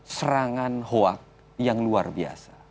serangan hoak yang luar biasa